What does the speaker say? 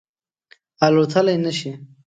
الوتلای نه شي